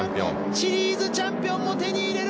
シリーズチャンピオンも手に入れる。